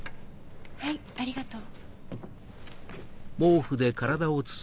はいありがとう。